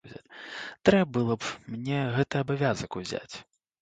Трэ было б мне гэты абавязак узяць.